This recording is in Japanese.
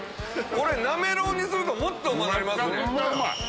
これなめろうにするともっとうまなりますね。